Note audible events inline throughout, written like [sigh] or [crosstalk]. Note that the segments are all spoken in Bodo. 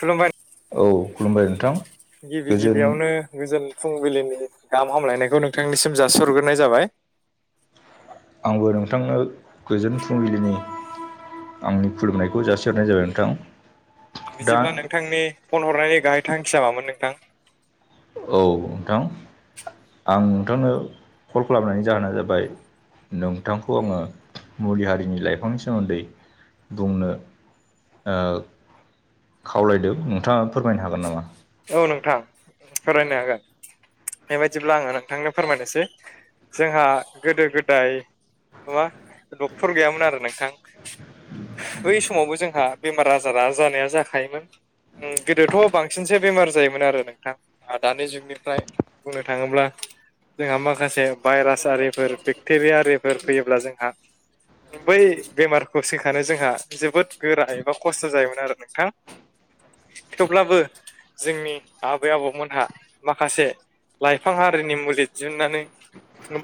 खुलुमबाय औ खुलुमबाय नोंथां गिबि गोजोन गिबियावनो गोजोन फुंबिलिनि गाहाम हामलायनायखौ नोंथांनिसिम जाासरग्रोनाय जाबाय। आंबो नोंथांनो गोजोन फुंबिलिनि आंनि खुलुमनायखौ जासिहरनाय जाबाय नोंथां। दा बिदिब्ला नोंथांनि फन हरनायनि गाहाय थांखिया मामोन नोंथां? औ नोंथां आं नोंथांनो कल खालामनायनि जाहोना जाबाय नोंथांखौ आंङो मुलि हारिनि लाइफांनि सोमोन्दै बुंनो खावलायदो नोंथाङा फोरमायनो हागोन नामा? औ नोंथां फोरमनो हागोन बेबायाददिब्ला आंङो नोंथांनो फोरमायनोसै जोंहा गोदो गोदाय माबा डक्टर गैयामोन आरो नोंथां। बै समावबो जोंहा बेमार आजारा जानाया जाखायोमोन। गोदोथ' बांसिनसो बेमार जायोमोन आरो नोंथां दानि जुगनिफ्राय बुंनो थाङोब्ला जोंहा माखासे भाइरास आरिफोर बेक्टेरिया आरिफोर फैयोब्ला जोंहा बै बेमारखौ सोंखानो जोंहा जोबोद गोरा एबा खस्थ' जायोमोन आरो नोंथां। [inaudible] थेवब्लाबो जोंनि आबै आबौमोनहा माखासे लाइफां हारिनि मुलि दिहुनन्नानै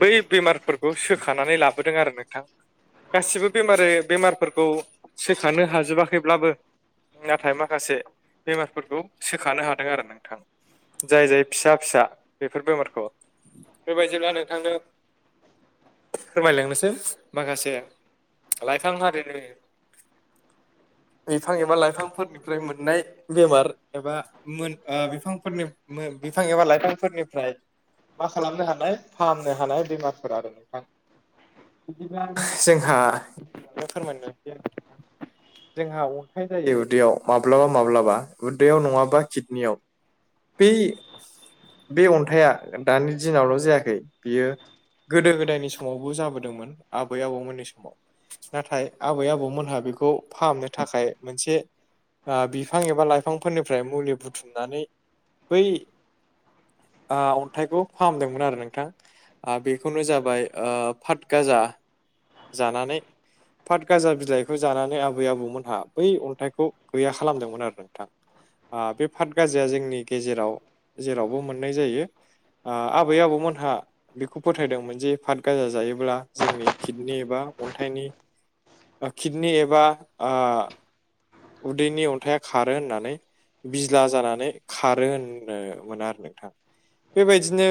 बै बेमारफोरखौ सोखानानै लाबोदों आरो नोंथां। गासिबो बेमार बेमारफोरखौ सोखानो हाजोबाखैब्लाबो नाथाय माखासे बेमारफोरखौ सोखानो हादों आरो नोंथां जाय जाय फिसा फिसा बेफोर बेमारखौ बेबायदिब्ला नोंथांनो फोरमायलांनोसै माखासे लाइफां हारिनि बिफां एबा लाइफांफोरनिफ्राय मोननाय बेमार एबा मोन ओ बिफांफोरनि बिफां एबा लाइफांफोरनिफ्राय मा खालामनो हानाय फाहामनो हानाय बेमारफोर आरो नोंथां। बिदिबा जोंहा फोरमायनोसै आरो जोंहा अन्थाइ जायो उदैयाव माब्लाबा माब्लाबा उदैयाव नंङाबा किदनियाव बै बे अन्थाइया दानि दिनावल' जायाखै बियो गोदो गोदायनि समावबो जाबोदोंमोन आबै आबौमोननि समाव नाथाय आबै आबौमोनहा बेखौ फाहामनो थाखाय मोनसे ओ बिफां एबा लाइफांफोरनिफ्राय मुलि बुथुमनानै बै ओ अन्थाइखौ फाहामदोंमोन आरो नोंथां। आ बेखौनो जाबाय ओ फात गाजा जानानै फाट गाजा बिलाइखौ जानानै आबै आबौमोनहा बै अन्थाइखौ गैया खालामदोंमोन आरो नोंथां आं बे पाट गाजाया जोंनि गेजेराव जेरावबो मोननाय जायो। आं आबै आबौमोनहा बेखौ फोथायदोंमोन जे फात गाजा जायोब्ला जोंनि किडनि एबा अन्थाइनि ओ किडनि एबा ओ उदैनि अन्थाइया खारो होननानै बिज्ला जानानै खारो होननो मोनो आरो नोंथां। बेबायदिनो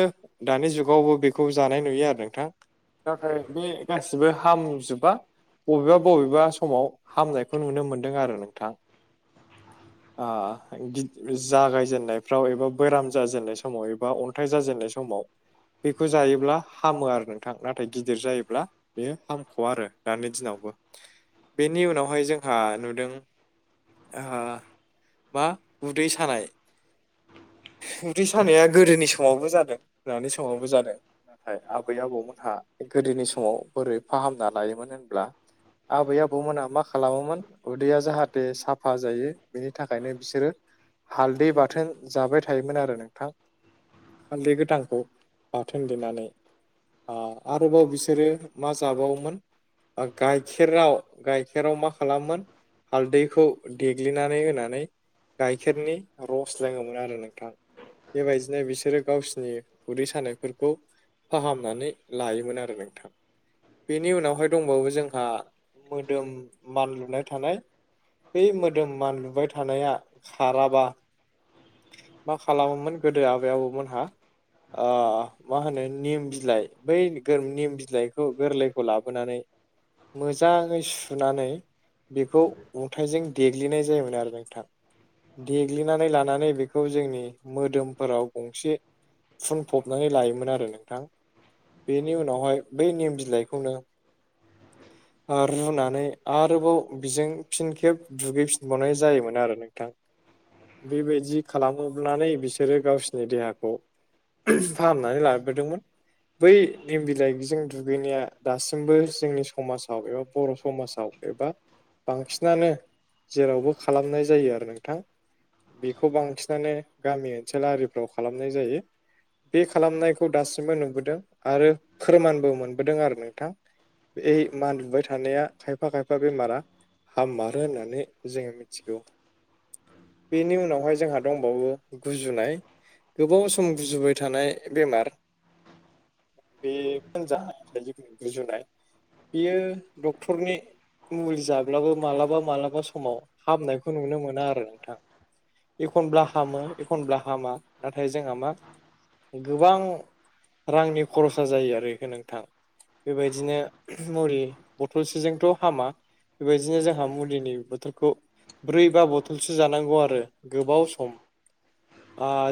दानि जुगावबो बेखौ जानाय नुयो आरो नोंथां। नाथाय बे गासिबो हामजोबा। बबेबा बबेबा समाव हामनायखौ नुनो मोनदों आरो नोंथां। [unintelligible] [unintelligible] जागायजेननायफ्राव एबा बेराम जाजेननाय समाव एबा अन्थाइ जाजेननाय समाव बेखौ जायोब्ला हामो आरो नोंथां नाथाय गिदिर जायोब्ला बे फामख' आरो दानि दिनावबो बेनि उनावहाय जोंहा नुदों ओ मा उदै सानाय उदै सानाया गोदोनि समावबो जादों दानि समावबो जादों। नाथाय आबै आबौमोनहा गोदोनि समाव बोरै फाहामना लायोमोन होनब्ला आबै आबौमोना मा खालामोमोन उदैया जाहा थे साफा जायो बेनि थाखायनो बिसोरो हालदै बाथोन जाबाय थायोमोन आरो नोंथां। हालदै गोथांखौ बाथोन देनानै आं आरोबाव बिसोरो मा जाबावोमोन? [unintelligible] गाइखेराव गाइखेराव मा खालामोमोन हालदैखौ देग्लिनानै होनानै गाइखेरनि रस लोंङोमोन आरो नोंथां। बेबायदिनो बिसोरो गावसिनि उदै सानायफोरखौ फाहामनानै लायोमोन आरो नोंथां। बेनि उनावहाय दंबावो जोंहा मोदोम मान लुनाय थानाय बै मोदोम मानलुबाय थानाया खाराबा मा खालामोमोन गोदो आबै आबौमोनहा मा होनो निम बिलाइ बै निम बिलाइखौ गोरलैखौ लाबोनानै मोजांङै सुनानै बेखौ अन्थाइजों देग्लिनाय जायोमोन आरो नोंथां देग्लिनानै लानानै बेखौ जोंनि मोदोमफोराव गंसे फुनफबनानै लायोमोन आरो नोंथां। बेनि उनावहाय बै निम बिलाइखौनो [unintelligible] ओ रुनानै आरोबाव बिजों फिन खेब दुगैफिनबावनाय जायोमोन आरो नोंथां। [inaudible] बेबायदि खालामोब्लानो बिसोरो गावसिनि देहाखौ फाहामनानै लाबोदोंमोन। बै निम बिलाइजों दुगैनाया दासिमबो जोंनि समाजाव एबा बर' समाजाव एबा बांसिनानो जेरावबो खालामनाय जायो आरो नोंथां। बेखौ बांसिनानो गामि ओनसोल आरिफ्राव खालामनाय जायो। बे खालामनायखौ दासिमबो नुबोदों आरो फोरमानबो मोनबोदों आरो नोंथां। बे मान लुबाय थानाया खायफा खायफा बेमारा हाम मारो होननानै जोङो मिथिगौ बेनि उनावहाय जोंहा दंबावो गुजुनाय गोबाव सम गुजुबाय थानाय बेमार। बे फानजानाय जिथु गुजुनाय बेयो डक्टरनि मुलि जाब्लाबो मालाबा मालाबा समाव हामनायखौ नुनो मोना आरो नोंथां। एखनब्ला हामो एखनब्ला हामा नाथाय जोंहा मा गोबां रांनि खरसा जायो आरो नोंथां। बेबायदिनो मुलि बथलसेजोंथ' हामा। बेबायदिनो जोंहा मुलिनि बोथलखौ ब्रै बा बथलसो जानांगौ आरो। गोबाव सम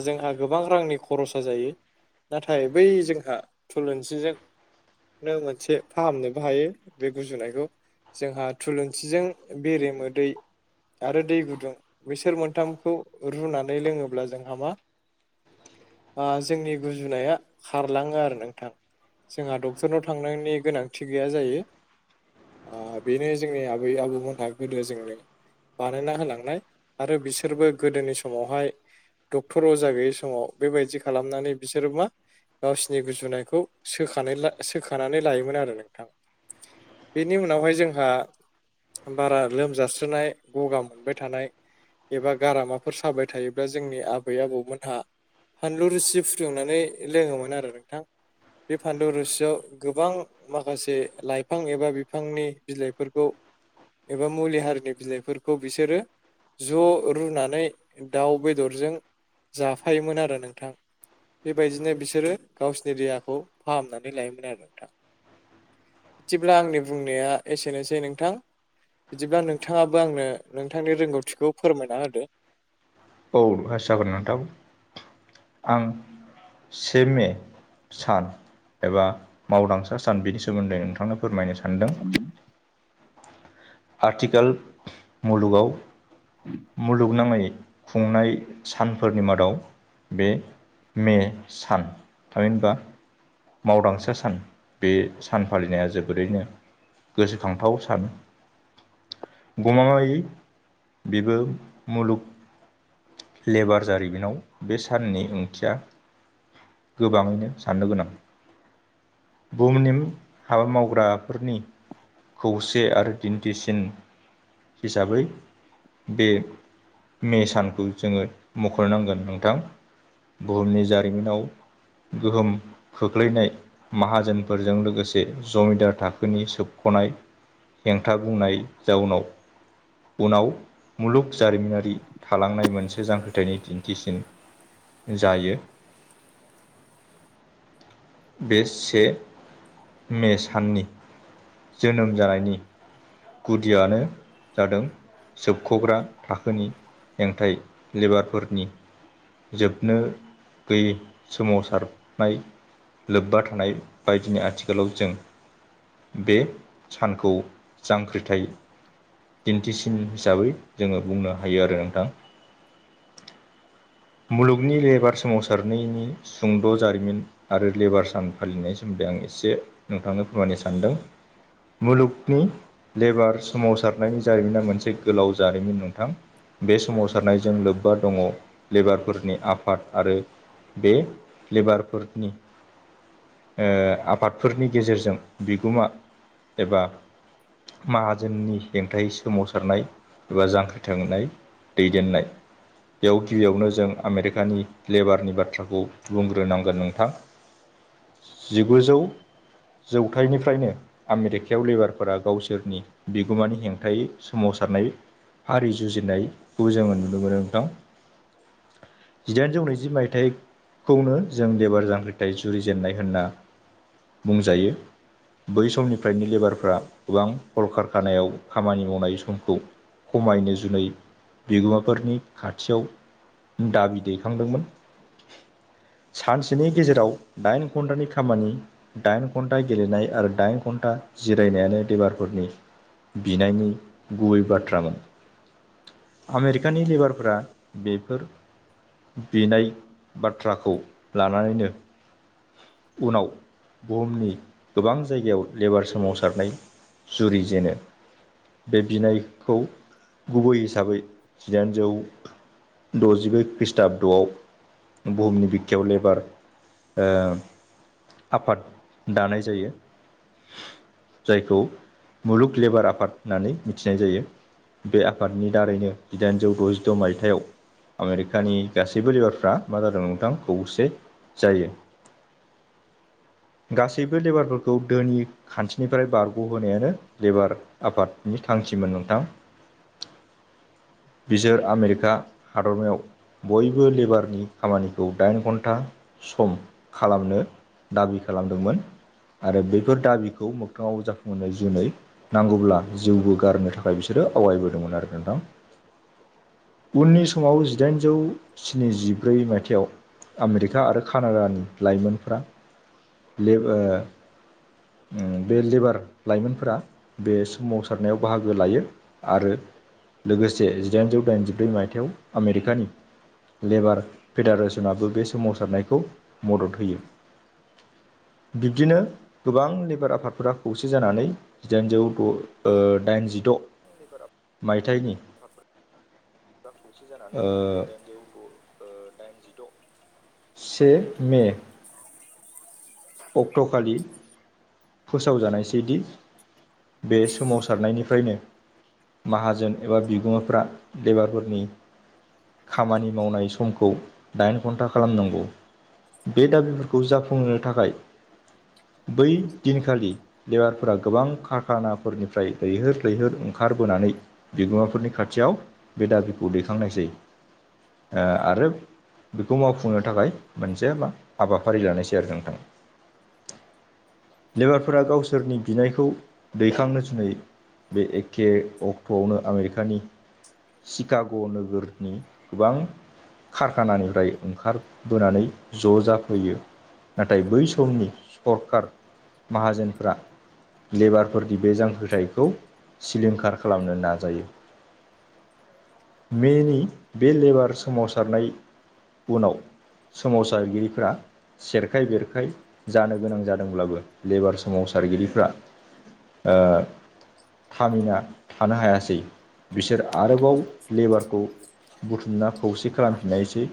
जोंहा गोबां रांनि खरसा जायो। नाथाय बै जोंहा थुलुंसिजों नों मोनसे फाहामनोबो हायो बे गुजुनायखौ। जोंहा थुलुंसिजों बेरेमो दै आरो दै गुदुं बैसोर मोनथाम खौ रुनानै लोङोब्ला जोंहा मा जोंनि गुजुनाया खारलाङो आरो नोंथां। जोंहा डक्टरनाव थांनायनि गोनांथि गैया जायो। आ बेनो जोंनि आबै आबौमोनहा गोदो जोंनो बानायना होलांनाय आरो बिसोरबो गोदोनि समावहाय डक्टर अजा गैयि समाव बेबायदि खालामनानै बिसोरो मा गावसिोरनि गुजुनायखौख सोखानानै लायोमोन आरो नोंथां। बेनि उनावहाय जोंहा बारा लोमजास्राय गगा मोनबाय थानाय एबा गारामाफोर साबाय थायोब्ला जोंनि आबै आबौमोनहा फानलु रोसि फुदुंनानै लोङोमोन आरो नोंथां। बे फानलु रोसियाव गोबां माखासे लाइफां एबा बिफांनि बिलाइफोरखौ एबा मुलि हारिनि बिलाइफोरखौ बिसोरो ज' रुनानै दाउ बेदरजों जाफायोमोन आरो नोंथां। बेबायदिनो बिसोरो गावसोरनि देहाखौ फाहामनानै लायोमोन आरो नोंथां। बिदिब्ला आंनि बुंनाया एसेनोसै नोंथां। बिदिब्ला नोंथाङाबो आंनो नोंथांनि रोंगौथिखौ फोरमायना होदो। औ आ जागोन नोंथां आं से मे सान एबा मावदांसा सान बिनि सोमोन्दै नोंथांनो फोरमायनो सानदों। आथिखाल मुलुगाव उ मुलुगनाङै खुंनाय सानफोरनि मादाव बे मे सान थामिनबा मावदांसा सान बे सान फालिनाया जोबोरैनो गोसोखांथाव सान। गमामायै बेबो मुलुग लेबार जारिमिनाव बे साननि ओंथिया। गोबाङैनो साननो गोनां। बुहुमनि हाबा मावग्राफोरनि खौसे आरो दिन्थिसिन हिसाबै बे मे सानखौ जोङो मख'नांगोन नोंथां। बुहुमनि जारिमिनाव गोहोम खोख्लैनाय माहाजोनफोरजों लोगोसे जमिदार थाखोनि सोबख'नाय हेंथा बुंनाय जाओनाव उनाव मुलुग जारिमिनारि थालांनाय मोनसे जांख्रिथायनि दिन्थिसिन जायो बे से मे साननि जोनोम जानायनि गुदिआनो जादों सोबख'ग्रा थाखोनि हेंथायै लेबारफोरनि जोबनो गैयै सोमावसारनाय लोब्बा थानाय बादिनो आथिखालाव जों बे सानखौ जांख्रिथाय दिन्थिसिन हिसाबै जोङो बुंनो हायो आरो नोंथां मुलुगनि लेबार सोमावसारनायनि सुंद' जारिमिन आरो लेबार सान फालिनायनि सोमोन्दै आं एसे नोंथांनो फोरमायनो सानदों मुलुगनि लेबार सोमावसारनायनि जारिमिना मोनसे गोलाव जारिमिन नंथां बे सोमावसारनायजों लोब्बा दङो लेबारफोरनि आफाद आरो बे लेबारफोरनि ओ आफादफोरनि गेजेरजों बिगोमा एबा माहाजोननि हेंथायै सोमावसारनाय एबा जांख्रिथोंनाय दैदेननाय बेव गिबिआवनो जों आमेरिकानि लेबारनि बाथ्राखौ बुंग्रोनांगोन नोंथां जिगुजौ जौथाइनिफ्रायनो आमिरेकायाव लेबारफोरा गावसोरनि बिगोमानि हेंथायै सोमावसारनाय हारि जुजिनायखौ जोङो नुनो मोनो नोंथां जिदाइनजौ नैजि मायथाइखौनो जों लेबार जांख्रिथाय जुरिजेननाय होनना बुंजायो बै समनिफ्रायनो लेबारफ्रा गोबां कलकारखानायाव खामानि मावनाय समखौ खमायनो जुनै बिगोमाफोरनि खाथिआव दाबि दैखांदोंमोन सानसेनि गेजेराव दाइन घन्टानि खामानि दाइन घन्टा गेलेनाय आरो दाइन घन्टा जिरायनायानो लेबारफोरनि बिनायनि गुबै बाथ्रामोन आमेरिकाननि लेबारफ्रा बे फोर बिनाय बाथ्राखौ लानानैनो उनाव बुहुमनि गोबां जायगायाव लेबार सोमावसारनाय जुरि जेनो बे बिनायखौ गुबै हिसाबै जिदाइनजौ द'जिब्रै ख्रिष्टाबत'आव बुहुमनि बिखायाव लेबार ओ आफाद दानाय जायो जायखौ मुलुग लेबार आफाद होननानै मिथिनाय जायो बे आफादनि दारैनो जिदाइनजौ द'जिद' मायथाइआव आमेरिकानि गासैबो लिबारफ्रा मा जादों नोंथां खौसे जायो गासैबो लेबारफोरखौ धोनि खान्थिनिफ्राय बारग' होनायानो लेबार आफादनि थांखिमोन नोंथां बिसोर आमेरिका हादरमायाव बयबो लेबारनि खामानिखौ दाइन घन्टा सम खालामनो दाबि खालामदोंमोन आरो बेफोर दाबिखौ मोगथांआव जाफुंहोनो जुनै नांगौब्ला जिउबो गारनो थाखाय बिसोरो आवगायबोदोंमोन आरो नोंथां उननि समाव जिदाइनजौ स्निजिब्रै मायथाइयाव आमेरिका आरो कानाडानि लाइमोनफ्रा लेब ओ उम बे लेबार लाइमोनफोरा बे सोमावसारनायाव बाहागो लायो आरो लोगोसे जिदाइनजौ दाइनजिब्रै मायथाइयाव आमेरिकानि लेबार फेडारेसनाबो बे सोमावसारनायखौ मदद होयो। बिब्दिनो गोबां लेबार आफादफोरा खौसे जानानै जिदाइनजौ द' ओ दाइनजिद' मायथाइनि खौसे जानानै जिदाइनजौ दाइनजिद', से मे अक्ट'खालि फोसावजानायसैदि बे सोमावसारनायनिफ्रायनो माहाजोन एबा बिगोमाफ्रा लेबारफोरनि खामानि मावनाय समखौ दाइन घन्टा खालामनांगौ, बे दाबिफोरखौ जाफुंहोनो थाखाय, बै दिनखालि लेबारफोरा गोबां कारखानाफोरनिफ्राय लैहोर लैहोर ओंखारबोनानै, बिगोमाफोरनि खाथियाव बे दाबिखौ दैखांनायसै आरो बेखौ मावफुंनो थाखाय मोनसे मा हाबाफारि लानायसै आरो नोंथाङा, लेबारफोरा गावसोरनि बिनायखौ दैखांनो जुनै बे एखे अक्ट'आवनो आमेरिकानि सिशकाग' नोगोरनि गोबां, कारखानानिफ्राय ओंखारबोनानै ज' जाफैयो नाथाय बै समनि सरखार माहाजोनफोरा लेबारफोरनि बे जांख्रिथायखौ सिलिंखार खालामनो नाजायो। मेनि बे लेबार सोमावसारनाय उनाव सोमावसारगिरिफोरा सेरखाय बेरखाय जानो गोनां जादोंब्लाबो लेबार सोमावसारगिरिफ्रा ओ थामिना थानो हायासै, बिसोर आरोबाव लेबारखौ बुथुमना खौसे खालामफिननायसै,